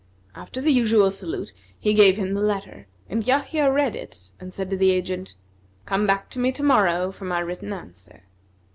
After the usual salute he gave him the letter and Yahya read it and said to the agent, "Come back to me tomorrow for my written answer."